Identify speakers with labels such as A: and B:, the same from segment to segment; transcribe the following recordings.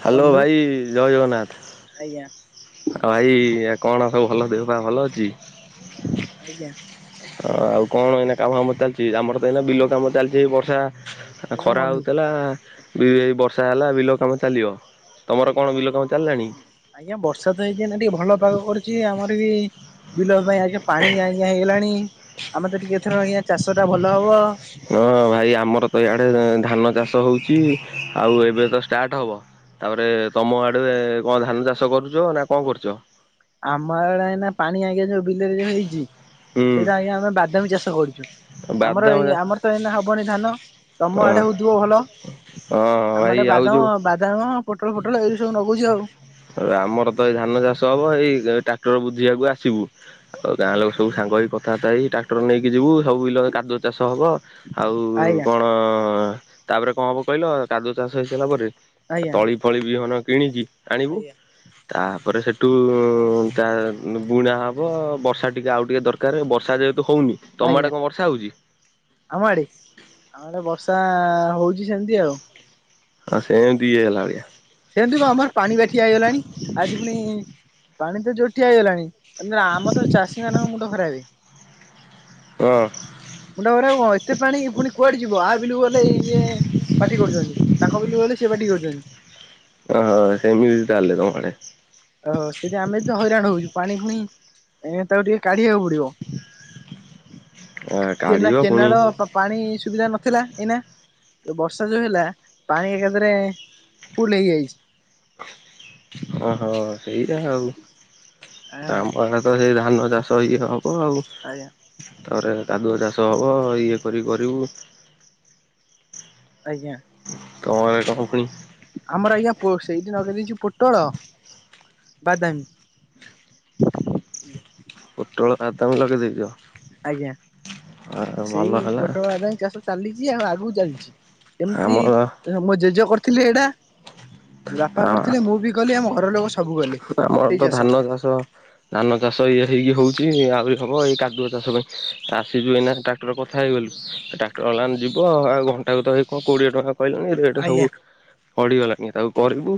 A: Hello ଭାଇ ଜୟ ଜଗନ୍ନାଥ।
B: ଆଜ୍ଞା
A: ଆଉ ଭାଇ କଣ ସବୁ ଭଲ ଦେହ ପା ଭଲ ଅଛି?
B: ଆଜ୍ଞା
A: ଆଉ କଣ ଏଇନା କାମ ଆମ ଚାଲିଛି। ଆମର ତ ଏଇନା ବିଲ କାମ ଚାଲିଛି ବର୍ଷା ଆ
B: ଆଜ୍ଞା
A: ଖରା
B: ବନ୍ଧୁ
A: ହୋଉଥିଲା ବି ବର୍ଷା ହେଲା ବିଲ କାମ ଚାଲିବ। ତମର
B: ଆଜ୍ଞା
A: କଣ ବିଲ କାମ ଚାଲିଲାଣି।
B: ଆଜ୍ଞା ବର୍ଷା ତ ହେଇଛି ଏଇନା ଟିକେ ଭଲ ପାଗ କରୁଛି। ଆମର ବି ବିଲ ପାଇଁ ଆଜ୍ଞା ପାଣି [unintelligible] ହେଇଗଲାଣି ଆମେ ତ ଟିକେ ଏଥର ଆଜ୍ଞା ଚାଷ ଟା ଭଲ ହବ।
A: ହଁ ଭାଇ ଆମର ତ ଇଆଡେ ଧାନ ଚାଷ ହଉଛି। ଆଉ ଏବେ ତ ଷ୍ଟାର୍ଟ ହବ ତାପରେ ତମ ଆଡ଼େ କଣ ଧାନ ଚାଷ କରୁଛ। ନା କଣ କରୁଛ?
B: ଆମ ଆଡେ ଏଇନା ପାଣି ଆଜ୍ଞା ଯୋଉ ବିଲରେ ଯୋଉ ହେଇଛି।
A: ହୁଁ
B: ସେଇଟା ଆଜ୍ଞା ଆମେ ବାଦାମୀ ଚାଷ କରୁଛୁ। ଆମର
A: ବାଦାମ
B: ଏଇ ଆମର ତ ଏଇନା ହବନି ଧାନ। ତମ
A: ହଁ
B: ଆଡେ ହଉଥିବ ଭଲ
A: ହଁ
B: ଆମ
A: ଭାଇ
B: ଆଡେ
A: ଆଉ
B: ବାଦାମ
A: ଯୋଉ
B: ବାଦ ଦାମ ପୋଟଳ ପୋଟଲ ଏଇ ସବୁ ଲଗଉଛି ଆଉ।
A: ଆ ଆମର ତ ଏଇ ଧାନ ଚାଷ ହବ ଏଇ ଟ୍ରାକ୍ଟର ବୁଝିବାକୁ ଆସିବୁ। ଆଉ ଗାଁ ଲୋକ ସବୁ ସାଙ୍ଗ ହେଇ କଥାବାର୍ତ୍ତା ହେଇ ଟାକ୍ଟର ନେଇକି ଯିବୁ ସବୁ ବିଲ କାଦୁ ଚାଷ ହବ ଆଉ
B: ଆଜ୍ଞା
A: କଣ କ ତାପରେ କଣ ହବ କହିଲ କାଜୁ ଚାଷ ହେଇସାରିଲା ପରେ
B: ଆଜ୍ଞା।
A: ତଳି ଫଳି ବିହନ କିଣିିକି ଆଣିବୁ।
B: ଆଜ୍ଞା
A: ତାପରେ ସେଠୁ ତା ବୁଣା ହବ ବର୍ଷା ଟିକେ ଆଉ ଟିକେ ଦରକା କାରେ ବର୍ଷା ଯେହେତୁ ହଉନି। ତମ ଆଡେ
B: ଆଜ୍ଞା
A: କଣ ବର୍ଷା ହଉଛି?
B: ଆମ ଆଡେ ଆମ ଆଡେ ବର୍ଷା ହୋଉଛି ସେମିତି ଆଉ।
A: ହଁ ସେମିତି ଇଏ ହେଲା ଭଳିଆ।
B: ସେମିତି କଣ ଆମର ପାଣି ବା ଠିଆ ହେଇଗଲାଣି ଆଜି ପୁଣି ପାଣି ତ ଜୋର ଠିଆ ହେଇଗଲାଣି। ଆମ ତ ଚାଷୀ ମାନକ ମୁଣ୍ଡ ଖରାପେ।
A: ହଁ
B: ମୁଣ୍ଡ ଖରାପେ କଣ ଏତେ ପାଣି ପୁଣି କୁଆଡେ ଯିବ ଆ ବିଲକୁ ଗଲେ ଇଏ ପାଟି କରୁଛନ୍ତି ତାଙ୍କ ବିଲକୁ ଗଲେ ସେ ପାଟି କରୁଛନ୍ତି।
A: ଆ ସେମିତି ତାହେଲେ ତମଆଡେ।
B: ଓହୋ ସେଇଠି ଆମେ ଏ ତ ହଇରାଣ ହଉଛୁ ପାଣି ପୁଣି ଏ ତାକୁ ଟିକେ କାଢିବାକୁ ପଡିବ।
A: ଆ
B: କେନା
A: କାଢିବ
B: କେନାଳ
A: ପୁଣି
B: ପାଣି ସୁବିଧା ନଥିଲା ଏଇନା। ଏ ବର୍ଷା ଯୋଉ ହେଲା ପାଣି ଏକାଥରେ ଫୁଲ ହେଇଯାଇଛି।
A: ଓହୋ ସେଇଆ ଆଉ।
B: ଆଁ
A: ଆମ ଆଡେ ତ ସେଇ ଧାନ ଚାଷ ଇଏ ହବ ଆଉ।
B: ଆଜ୍ଞା।
A: ତାପରେ କାଦୁଅ ଚାଷ ହବ ଇଏ କରି କରିବୁ।
B: ଆଜ୍ଞା।
A: [unintelligible] ଫୁଣୀ
B: ଆମର ଆଜ୍ଞା ସେଇଠି ନଗେଇଦେଇଚୁ ପୋଟଳ ବାଦାମୀ। ଆଜ୍ଞା।
A: ପୋଟଳ ବାଦାମ ଲଗାଇଦେଇଚ।
B: ଆଜ୍ଞା ସେଇ
A: ହେଲା
B: ପୋଟଳ ବାଦାମୀ ଚାଷ ଚାଲିଛି ଆଉ ଆଗକୁ ଚାଲିଛି। ଏମିତି
A: ଆମର
B: ମୋ ଜେଜେ କରିଥିଲେ ଏଇଟା ବାପା କରିଥିଲେ ମୁଁ ବି କଲି ଆମ ଘରର ଲୋକ ସବୁ କଲେ।
A: ଆମର
B: ସେଇ
A: ତ
B: ଚାଷ
A: ଧାନ ଚାଷ ଧାନ ଚାଷ ଇଏ ହେଇକି ହଉଛି ଆହୁରି ହବ ଏଇ କାଦୁଆ ଚାଷ ପାଇଁ ଆସିଯୁ ଏଇନା ଟ୍ରାକ୍ଟର କ କଥା ହେଇଗଲୁ
B: ଆଜ୍ଞା
A: ଟ୍ରାକ୍ଟର ବାଲା ଯିବ ଆଉ ଘଣ୍ଟା କ ତଏଇ କଣ କୋଡିଏ ଟଙ୍କା କହିଲେଣିି ରେଟ
B: ଆଜ୍ଞା
A: ସବୁ
B: ହଁ
A: ପଡିଗଲାଣି ତାକୁ କରିବୁ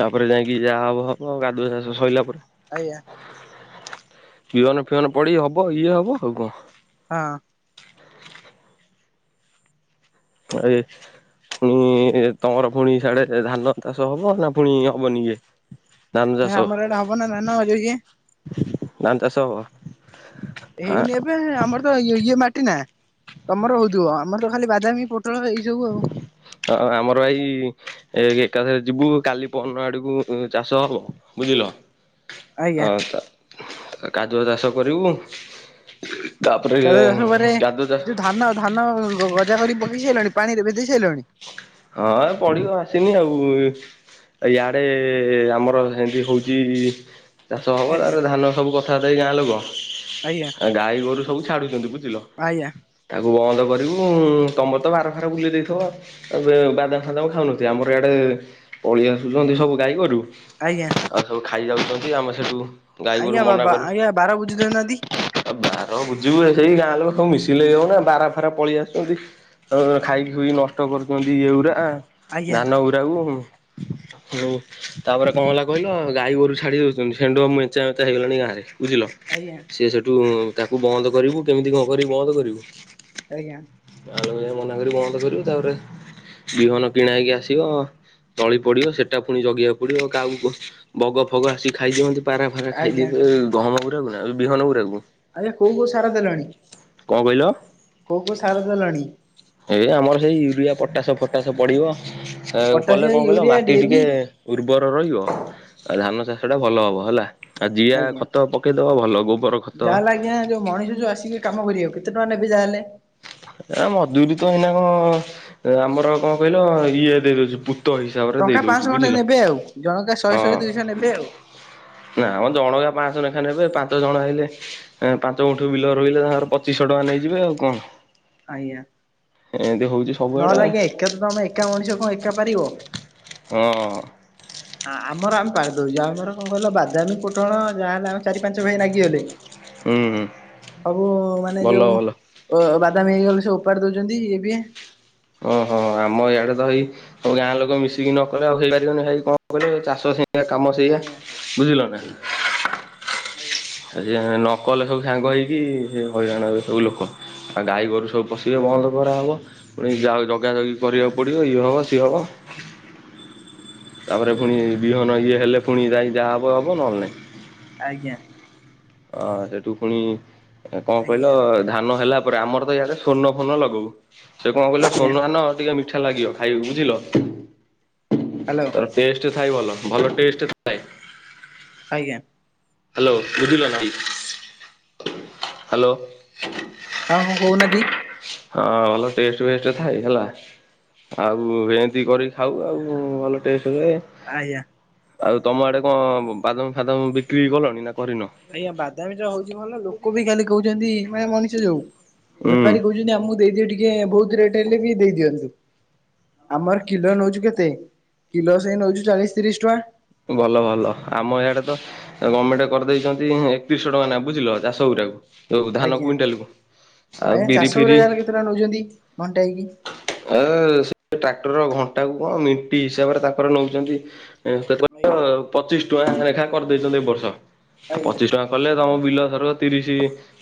A: ତାପରେ ଯାଇକି ଯାହା ହବ ହବ କାଦୁଆ ଚାଷ ସଆଇଲାପରେ।
B: ଆଜ୍ଞା।
A: ବିହନ ଫିଅନ ପଡି ହବ ଇଏ ହବ ଆଉ କଣ।
B: ହଁ
A: ଆ ଏ ପୁଣି ତମର ପୁଣି ସିଆଡେ ଧାନ ଚାଷ ହବ ନା ପୁଣି ହବନି ଇଏ ଧାନ
B: ନା
A: ଚାଷ
B: ଆମର ଏଇଟା ହବ ନା ଧାନ ଯୋଉ ଇଏ
A: ଧାନ ଚାଷ ହବ। ଆ
B: ଏଇନି ଏବେ ଆମର ତ ଇ ଇଏ ମାଟି ନା ତମର ହଉଥିବ ଆମର ତ ଖାଲି ବାଦାମୀ ପୋଟଳ ଏଇ ସବୁ ଆଉ
A: ହ ଆମର ଏଇ ଏ ଏକାଥରେ ଯିବୁ କାଲି ପନ ଆଡକୁ ଚାଷ ହବ। ବୁଝିଲ।
B: ଆଜ୍ଞା
A: ହଉ ତ କାଦୁଅ ଚାଷ କରିବୁ। ତାପରେ
B: କ୍ଷେତ ଚାଷ ପରେ
A: କାଦୁଅ ଚା
B: ଯୋଉ ଧାନ ଧାନ ଗଜା କରିକି ପକେଇ ସାରିଲଣି ପାଣିରେ ଭେଜେଇ ସାରିଲଣି।
A: ହଁ ଏ ପଢିବୁ ଆସିନି ଆଉ। ୟାଡେ ଆମର ହେମିତି ହଉଛି। ଚାଷ ହବ
B: ଆଜ୍ଞା
A: ତାପରେ ଧାନ ସବୁ କଥାବାର୍ତ୍ତା ହେଇକି ଗାଁ ଲୋକ
B: ଆଜ୍ଞା।
A: ଗାଈ ଗୋରୁ ସବୁ ଛାଡୁଛନ୍ତି ବୁଝିଲ?
B: ଆଜ୍ଞା।
A: ତାକୁ ବନ୍ଦ କରିବୁ ଆଉ ତମର ତ ବାର ଖାର ବୁଲେଇ ଦେଇ ଥିବ। ଏବେ ବାଦାମ ଫାଦାମ ଖାଉନଥିବେ ଆମର ଏଆଡ଼େ ପଳେଇ ଆସୁଛନ୍ତି ସବୁ ଗାଈ ଗୋରୁ
B: ଆଜ୍ଞା
A: ଆଉ ସବୁ ଖାଇଯାଉଛନ୍ତି ଆମର ସେଠୁ ଗାଈ ଗୋରୁ
B: ଆଜ୍ଞ
A: ମନା
B: ବାବା
A: କରୁ
B: ଆଜ୍ଞା ବାର ବୁଜି ଦଉନାହାନ୍ତି।
A: ଆଉ ବାର ବୁଝିବୁ ଏ ସେଇ ଗାଁ ଲୋକ ସବୁ ମିଶିଲେ ଯଉ ନା ବାର ଫାରା ପଳେଇ ଆଶୁଛନ୍ତି। ଆଉ ଖାଇକି ଖୁଇି ନଷ୍ଟ କରୁଛନ୍ତି ଇଏ ଗୁୁରା
B: ଆଜ୍ଞା
A: ଧାନ ଗୁୁରାକୁ। ହଁ ତାପରେ କଣ ହେଲା କହିଲ ଗାଈ ଗୋରୁ ଛାଡି ଦଉଛନ୍ତି ସେଣ୍ଡ ମେଞ୍ଚା ମେଚା ହେଇଗଲାଣି ଗାଁରେ, ବୁଝିଲ।
B: ଆଜ୍ଞା।
A: ସେ ସେଠୁ ତାକୁ ବନ୍ଦ କରିବୁ କେମିତି କଣ କରିକି ବନ୍ଦ କରିବୁ।
B: ଆଜ୍ଞା।
A: ଆଲୋକ ଯାଇ ମନା କରିବୁ ବନ୍ଦ କରିବୁ ତାପରେ ବିହନ କିଣାହେଇକି ଆସିବ। ତଳି ପଡିବ ସେଟା ପୁଣି ଜଗିବାକୁ ପଡିବ କାଉ ବଗ ଫଗ ଆସି ଖାଇ ଯିବେନ୍ତେ। ପାରା ଫାରା
B: ଆଜ୍ଞା
A: ଖାଇଦେବେ ଗହମ ଗୁରାକୁ ନା ବିହନ ଗୁରାକୁ।
B: ଆଜ୍ଞା କୋଉ କୋଉ ସାର ଦେଲଣି
A: କଣ କହିଲ?
B: କୋଉ କୋଉ ସାର ଦେଲଣି?
A: ଏଇ ଆମର ସେଇ ୟୁରିଆ, ପଟାସ ଫଟାସ ପଡିବ। କଲେ କଣ
B: ପଟାସିଆ
A: କହିଲ
B: ୟୁରିଆ
A: ମାଟି
B: ଡିଏବି
A: ଟିକେ ଉର୍ବର ରହିବ ଆଉ ଧାନ ଚାଷ ଟା ଭଲ ହବ ହେଲା। ଆଉ ଜିଆ
B: ଆଜ୍ଞା।
A: ଖତ ପକେଇଦବ ଭଲ ଗୋବର ଖତ
B: ଯାହାହେଲେ ଆଜ୍ଞା ଯୋଉ ମଣିଷ ଯଉ ଆସିକି କାମ କରିବାକୁ କେତେ ଟଙ୍କା ନେବେ ଯାହେଲେ?
A: ଏ ମଜୁରୀ ତ ଏଇନା କଣ ଆମର କଣ କହିଲ ଇଏ ଦେଇଦଉଚି ପୁତ୍ ଗୁଣ୍ଠ ହିସାବରେ
B: ଟଙ୍କା
A: ଦେଇ ଦଉଛି
B: ପାଞ୍ଚଶହ ଖଣ୍ଡେ
A: ବୁଝିଲ,
B: ନେବେ ଆଉ ଜଣକା ଶହେ
A: ହଁ।
B: ଶହେ ଦୁଇଶହ ନେବେ ଆଉ
A: ନାମ ଜଣକା ପାଞ୍ଚ ଶହ ଲେଖା ନେବେ ପାଞ୍ଚ ଜଣ ହେଲେ ଆଁ ପାଞ୍ଚ ଗୁଣ୍ଠ ବିଲ ରୋଇଲେ ତାଙ୍କର ପଚିଶିସହ ଟଙ୍କା ନେଇଯିବେ ଆଉ କଣ?
B: ଆଜ୍ଞା।
A: ଏମିତି ହଉଛି ଶୁ
B: ନହେଲେ ଆଜ୍ଞା ଏକା ତ ତମେ ଏକା ମଣିଷ କଣ ଏକା ପାରିବ?
A: ହଁ [unintelligible]
B: ଆମର ଆମେ ପାରିଦୋଉଚୁ ଆମର କଣ କହିଲ ବାଦାମୀ ପୋଟଳ ଯାହାହେଲେ ଚାରି ପାଞ୍ଚ ଭାଇ ଲାଗିଗଲେ
A: ହୁଁ
B: ସବୁ ମାନେ
A: ଭଲ
B: ଯୋଉ
A: ଭଲ
B: ଓ ବାଦାମି ହେଇଗଲେ ସେ ଓପାଡି ଦଉଛନ୍ତି ଇଏ ବିଏ।
A: ଓ ହ ଆମ ଇଆଡେ ତ ଭାଇ ଗାଁ ଲୋକ ମିଶିକି ନ କଲେ ଆଉ ହେଇପାରିବନି ଭାଇ କଣ କଲେ ଚାଷ ସେ ୟା କାମ ସେଇଆ
B: ଆଜ୍ଞା।
A: ବୁଝିଲ ନା।
B: ଆଜ୍ଞା।
A: ସେ ନକଲେ ସବୁ ସାଙ୍ଗ ହେଇକି ସେ ହଇରାଣ ହେବେ ସବୁ ଲୋକ। ଆଉ ଗାଈ ଗୋରୁ ସବୁ ପଶିବେ ବନ୍ଦ କରାହବ ପୁଣି ଜଗା ଜଗି କରିବାକୁ ପଡିବ ଇଏ ହବ ସିଏ ହବ। ତାପରେ ପୁଣି ବିହନ ଇଏ ହେଲେ ପୁଣି ଯାଇ ଯାହା ହବ ହବ ନହେଲେ ନାଇଁ।
B: ଆଜ୍ଞା।
A: ଅ ସେଠୁ ପୁଣି କଣ କହିଲ
B: ଆଜ୍ଞା
A: ଧାନ ହେଲା ପରେ ଆମର ତ ୟାଡେ ସ୍ୱର୍ଣ୍ଣ ଫୋନ ଲଗାଉ ସେ କଣ କହିଲ
B: ଆଜ୍ଞା
A: ସ୍ୱର୍ଣ୍ଣ ଧାନ ଟିକେ ମିଟି ମିଠା ଲାଗିବ ଖାଇବାକୁ ବୁଝିଲ,
B: ହ୍ୟାଲୋ
A: ତାର ଟେଷ୍ଟ ଥାଏ ଭଲ, ଭଲ ଟେଷ୍ଟ ଥାଏ।
B: ଆଜ୍ଞା।
A: ହ୍ୟାଲୋ ବୁଝିଲ ନା। ହ୍ୟାଲୋ।
B: ଆଉ କଣ କହୁନାହାନ୍ତି।
A: ହଁ ଭଲ ଟେଷ୍ଟ ଫେଷ୍ଟ ଥାଏ ହେଲା। ଆଉ ଏନ୍ତି କରିକି ଖାଉ ଆଉ ଭଲ ଟେଷ୍ଟଥାାଏ।
B: ଆଜ୍ଞା।
A: ଆଉ ତମ ଆଡେ କଣ ବାଦାମ ଫାଦମ ବିକ୍ରି କଲଣି ନା କରିନ?
B: ଆଜ୍ଞା ବାଦାମୀ ତ ହଉଛି ଭଲ ଲୋକ ବି ଖାଲି କହୁଛନ୍ତି ମାନେ ମଣିଷ ଯୋଉ
A: ହୁଁ
B: ବେପାରୀ କହୁଛ ଛନ୍ତି ଆମକୁ ଦେଇଦିଅ ଟିକେ ବହୁତ ରେଟ ହେଲେ ବି ଦେଇଦିଅନ୍ତୁ। ଆମର କିଲୋ ନଉଚୁ କେତେ କିଲୋ ସେଇ ନଉଚୁ ଚାଳିଶ ତିରିଶ ଟଙ୍କା।
A: ଭଲ ଭଲ ଆମ ଇଆଡେ ତ ଗମେଣ୍ଟ କରିଦେଇଚନ୍ତି ଏକତିରିଶହ ଟଙ୍କା ନେଖେ ବୁଝିଲ ଚାଷ ଗୁଡାକୁ। ତ ଧାନ
B: ଆଜ୍ଞା
A: କୁଇଣ୍ଟାଲକୁ ଆଉ
B: ଆଜ୍ଞା ଚାଷ
A: ବିରି
B: ଉପରେ
A: ଫିରି।
B: ଯାହେଲେ କେତେ ଟଙ୍କା ନଉଛନ୍ତି ଘଣ୍ଟାଇକି?
A: ଏ ସେ ଟ୍ରାକ୍ଟର ଘଣ୍ଟା କୁ କଣ ମିଣ୍ଟି ହିସାବରେ ତାଙ୍କର ନେଉଚନ୍ତି। ସେ
B: ଆଜ୍ଞା
A: ପଚିଶ ଟଙ୍କା ଲେଖା କରିଦେଇଛନ୍ତି ଏଇ ବର୍ଷ ଆଉ
B: ଆଜ୍ଞା
A: ପଚିଶ ଟଙ୍କା କଲେ ତମ ବିଲ ଧର ତିରିସି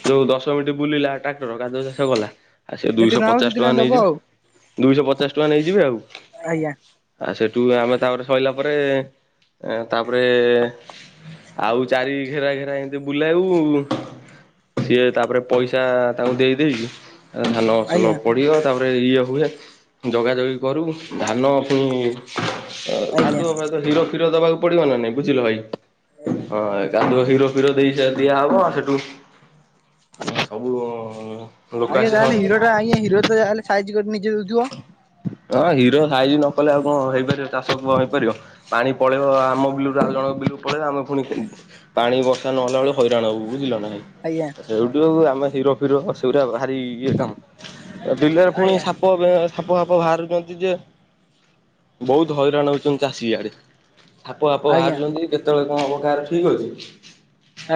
A: ଯୋଉ ଦଶ ମିନିଟି ବୁଲିଲା ଟ୍ରାକ୍ଟର ଘାସ ଶେଷ କଲା। ଆ ସେ
B: ଯେତିକି
A: ଦୁଇଶହ
B: ହବ
A: ପଚାଶ
B: ସେତିକି
A: ଟଙ୍କା
B: ଦବ ଆଉ
A: ନେଇଯିବ ଦୁଇଶହ ପଚାଶ ଟଙ୍କା ନେଇଯିବେ ଆଉ।
B: ଆଜ୍ଞା
A: ଆଉ ସେଠୁ ଆମେ ତାପରେ ସଇଲା ପରେ ତାପରେ ଆଉ ଚାରି ଘେରା ଘେରା ଏନ୍ତି ବୁଲାଉ। ସିଏ ତାପରେ ପଇସା ତାଙ୍କୁ ଦେଇଦେଇକି ଧାନ ଫସଲ
B: ଆଜ୍ଞା
A: ପଡ଼ିବ ତାପରେ ଇଏ ହୁଏ ଯଗାଯଗି କରୁ। ଧାନ ପୁଣି
B: ଆଜ୍ଞା
A: କାଦୁଅ ଫାଦୁଅ ହିର ଫୀର ଦବାକୁ ପଡିବ ନା ନାଇଁ ବୁଝିଲ ଭାଇ।
B: ସାଇଲା।
A: ହଁ ଏ କାଦୁଅ ହିରଫିର ଦେଇ ଯା ଦିଆହବ ସେଟୁ ଆ ସବୁ ଲୋକ
B: ଆଜ୍ଞା
A: ଆସି ହଁ
B: ଯାହେଲେ ହିରଟା ଆଜ୍ଞ ହିର ଯାହେଲେ ସାଇଜି କରିକି ନିଜେ ଦଉଥିବ।
A: ହଁ ହୀର ସାଇଜି ନ କଲେ ଆଉ କଣ ହେଇପାରିବ ଚାଷ କାମ ହେଇପାରିବ ପାଣି ପଳେଇ ଆମ ବିଲରୁ। ଆଉ ଜଣଙ୍କ ବିଲକୁ ପଳେଇବ ଆମେ ପୁଣି ପାଣି ବର୍ଷା ନହେଲା ବେଲୁକୁ ହଇରାଣ ହବୁ ବୁଝିଲନା ଭାଇ।
B: ଆଜ୍ଞା।
A: ସେଉଠୁ ଆମେ ହୀରଫୀର ସେଉରା ଭାରି ଇଏ କାମ ବିଲରେ ପୁଣି
B: ଆଜ୍ଞା
A: ସା ପ ବେ ସାପ ଫାପ ବାହାରୁଚନ୍ତି ଯେ ବହୁତ ହଇରାଣ ହଉଛନ୍ତି ଚାଷୀ ଇଆଡେ। ସାପ ଫାପ
B: ଆଜ୍ଞା
A: ବାହାରୁଛନ୍ତି କେତେବେଳେ କଣ ହବ କାହାର ଠିକ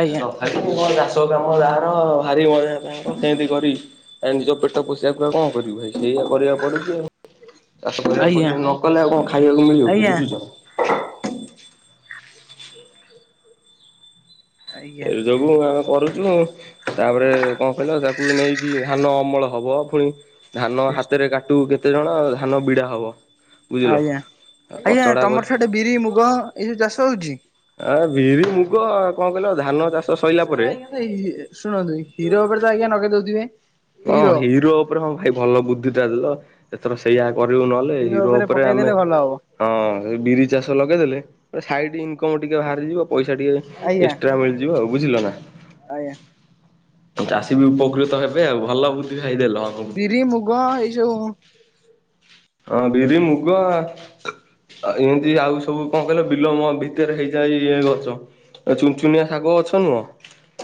B: ଆଜ୍ଞା
A: ଆଜି କଣ ଚାଷ କାମ ଜାହାର ଭାରି ମଜା ତାହାର କେନ୍ତି କରିବି। ଆ ନିଜ ପେଟ ପୋସିବାକୁ ଆଉ କଣ କରିବୁ ଭାଇ। ସେଇଆ କରିବାକୁ ପଡୁଚି ଆଉ ଚାଷ କରିବାକୁ
B: ଆଜ୍ଞା
A: ପଡୁଚି ନ କଲେ ଆଉ କଣ ଖାଇବାକୁ ମିଳିବ କି
B: ଆଜ୍ଞା
A: ବୁଝୁଚ।
B: ଆଜ୍ଞା।
A: ମୁଁ ଆ କରୁଚୁ। ତାପରେ କଣ କହିଲ ତାକୁ ନେଇକି ଧାନ ଅମଳ ହବ ଫୁଣି ଧାନ
B: ବେଶ
A: ହାତରେ କାଟୁ କେତେ ଜଣ ଧାନ ବିଡା ହବ। ବୁଝିଲ।
B: ଆଜ୍ଞା ଆଜ୍ଞା
A: କଚଡା କରି
B: ତମର ସେଟେ ବିରି ମୁଗ ଏଇ ସବୁ ଚାଷ ହଉଚି।
A: ଆ ବିରି ମୁଗ କଣ କହିଲ ଧାନ ଚାଷ ସଇଲା ପରେ
B: ଶେଗୁରା ଆଜ୍ଞା ତ ଏ ଶୁଣନ୍ତୁ ହିର ଉପରେ ତ ଆଜ୍ଞା ନଗେଇ ଦଉଥିବେ।
A: ହଁ ହିରୋ ଉପରେ ହଁ ଭାଇ ଭଲ ବୁଦ୍ଧିତା ଦେଲ। ଏଥର ସେଇଆ କରିବୁ ନହେଲେ
B: ହିରୋ
A: ହିର ଉପରେ ଆମେ
B: ପକେଇଦେଲେ ଭଲ ହବ
A: ହଁ ସେ ବିରି ଚାଷ ଲଗେଇଦେଲେ ସାଇଟ ଇନକମ ଟିକେ ବାହାରିଯିବ ପଇସା ଟିକେ
B: ଆଜ୍ଞା
A: ଏକ୍ସଟ୍ରା ମିଳିଯିବ ଆଉ ବୁଝିଲନା
B: ଆଜ୍ଞା।
A: ଚାଷୀବି ଉପକୃତ ହେବ। ହେବେ ଆଉ ଭଲ ବୁଦ୍ଧି ଭାଇ ଦେଲ ଅମୁକୁ।
B: ବି ମୁଗ ଏଇ ଯଉ
A: ହଁ ବିରି ମୁଗୁ ଆଉ ଏମିତି ଆଉ ସବୁ କଣ କହିଲ ବିଲୋ ମ ଭିତରେ ହେଇଯାଏ ଇଏ ଗଛ। ଚୁନଚୁନିଆ ଶାଗ ଅଛ ନୁହଁ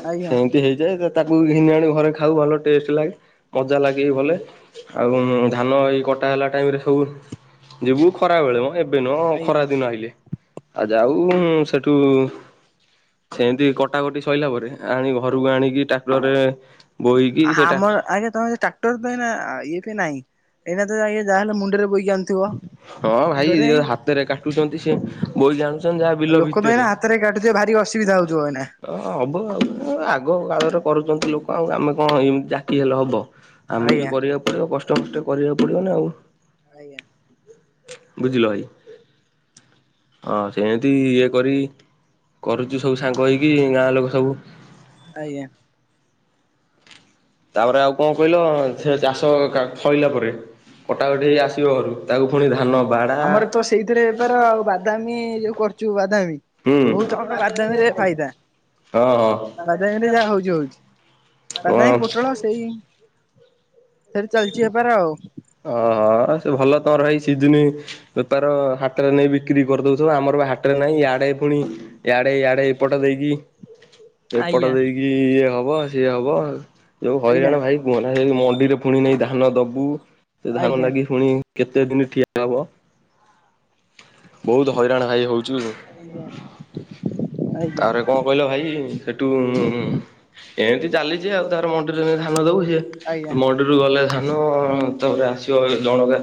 B: ଆଜ୍ଞା
A: ସେନ୍ତି ହେଇଯାଏ। ତାକୁ ଘିନି ଆଣି ଘରେ ଖାଉ ଭଲ ଟେଷ୍ଟ ଲାଗେ ମଜା ଲାଗେବି ଭଲେ। ଆଉ ଆମ ଧାନ ଏଇ କଟା ହେଲା। ଟାଇମରେ ସବୁ ଯିବୁ ଖରା ବେଳେ ମ ଏବେ ନୁଅ
B: ଆଜ୍ଞା।
A: ଖରା ଦିନ ଆଇଲେ। ଆଉ ଯାଉଁ ସେଠୁ ସେମିତି କଟାକଟି ସଇଲା ପରେ ଆଣି ଘରକୁ ଆଣିକି ଟାକ୍ଟରରେ
B: ଆମର ଆଜ୍ଞା ତମେ ଟା କ୍ଟର ପାଇଁ ନା [unintelligible] ନାହିଁ ଏଇନା ତ ଆଜ୍ଞା ଯାହାହେଲେ ମୁଣ୍ଡରେ ବୋଇକି ଆନୁଥୁବ।
A: ହଁ ଭାଇ ଯିଏ ହାତରେ କାଟୁଚନ୍ତି ସିଏ ବୋଇକି ଆଣୁଚନ୍ତି ଆଉ ବିଲ ଭି
B: [unintelligible] ହାତରେ କାଟୁଥିବେ ଭାରି ଅସୁବିଧା ହଉଥୁବ ଏଇନା।
A: ହଁ ହବ ଆଗ କାଳରେ କରୁଚନ୍ତି ଲୋକ ଆଉ ଆମେ କଣ ଏମତି ଜାକି ହେଲେ ହବ। ଆମେ ବି
B: ଆଜ୍ଞା
A: କରିବାକୁ ପଡିବ କଷ୍ଟମଷ୍ଟେ କରିବାକୁ ପଡିବ ନା ଆଉ।
B: ଆଜ୍ଞା।
A: ବୁଝିଲ ଭାଇ ହଁ ସେମିତି ଇଏ କରି କରୁଚି ସବୁ ସାଙ୍ଗ ହେଇକି ଗାଁ ଲୋକ ସବୁ।
B: ଆଜ୍ଞା।
A: ତାପରେ ଆଉ କଣ କଇଲ ସେ ଚାଷ କା ଫଳିଲା ପରେ କଟାକଟି ହେଇ
B: ଆଜ୍ଞା।
A: ଆସିବ ଘରୁ। ତାକୁ ଫୁଣି ଧାନ ବାଡା।
B: ଏଥିରେ ବେପାର ଆଉ ବାଦାମୀ ଯୋଉ କରୁଚୁ ବାଦାମୀ
A: ହୁଁ
B: ବହୁତୁ ଆମର ବାଦାମୀରେ ଫାଇଦା
A: ହଁ
B: ବାଦାମୀରେ ଯାହା ହଉଚି ହଉଛି
A: ହଁ
B: ବାଦାମୀ ପୋଟଳ ସେଇ ସେରି ଚାଲିଚି ବେପାର ଆଉ।
A: ଓହୋ ସେ ଭଲ ତମର ହେଇ ସିଜିନି। ବେପାର ହାଟରେ ନେଇ ବିକ୍ରି କରିଦଉଥୁବ ଆମର ବା ହାଟରେ ନାହିଁ ଇଆଡେ ଫୁଣି। ଇଆଡେ ଇଆଡେ ଏପଟ ଦେଇକି ଏପଟ
B: ଆଜ୍ଞା
A: ଦେଇକି ଇଏ ହବ ସିଏ ହବ ଯୋଉ
B: ଆଜ୍ଞା
A: ହଇରାଣ ଭାଇ କୁହନା ଯାଇକି ମଣ୍ଡିରେ ଫୁଣି ନେଇ ଧାନ ଦବୁ ସେ ଧାନ
B: ଆଜ୍ଞା
A: ନାଗି ଫୁଣି କେତେ ଦିନି ଠିଆ ହୁଅ। ବହୁତୁ ହଇରାଣ ଭାଈ ହଉଚୁ
B: ଆଜ୍ଞା ଆଜ୍ଞା
A: ତାର କଣ କଇଲ ଭାଇ ସେଟୁ ଏମିତି ଚାଲିଚି ଆଉ ତାର ମଣ୍ଡିରେ ନେଇ ଧାନ ଦବୁ ସିଏ
B: ଆଜ୍ଞା
A: ମଣ୍ଡିରୁ ଗଲେ ଧାନ ତାପରେ ଆସିବ ଜଣକା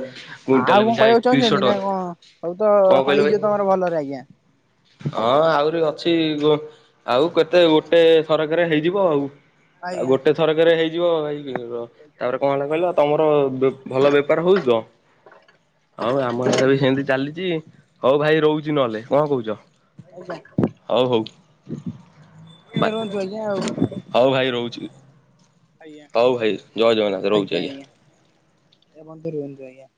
B: ଆଉ
A: କୁଇଣ୍ଟାଲ
B: କଣ
A: ପିଛା
B: କଇବାକୁ
A: ଏକତିରିଶହ
B: ଚାଉଚନ୍ତି ନା
A: ଟଙ୍କା
B: କଣ ସବୁ ତ
A: କଣ କହିଲ ଭାଇ
B: ହଇଯିବ ତମର ଭଲରେ ଆଜ୍ଞା।
A: ହଁ ଆହୁରି ଅଛି ଗୋ ଆଉ କେତେ ଗୋଟେ ଥରକରେ ହେଇଯିବ ଆଉ। ଆଉ
B: ଆଜ୍ଞା
A: ଗୋଟେ ଥରକରେ ହେଇଯିବ [unintelligible] ତାପରେ କଣ ହେଲା କଇଲ ତମର
B: ଆଜ୍ଞା
A: ବେ ଭଲ ବେପାର ହଉଚି ତ ଆଉ ଆମ ଆଡ଼େ ବି ସେମିତି ଚାଲିଚି। ହଉ ଭାଇ ରଉଚି ନହେଲେ କଅଁ କଉଚ?
B: [inaudible]
A: ହଉ ହଉ।
B: ଆଜ୍ଞା ରୁହନ୍ତୁ ଆଜ୍ଞା ଆଉ
A: ହଉ ଭାଇ ରହୁଚି।
B: ଆଜ୍ଞା
A: ଜଗନ୍ନାଥ ରହୁଛି
B: ଆଜ୍ଞା ଆଜ୍ଞା ଏ ବନ୍ଧୁ ରୁହନ୍ତୁ ଆଜ୍ଞା।